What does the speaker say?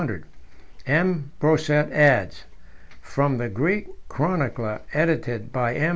M. Brosset adds, from the Greek chronicler edited by M.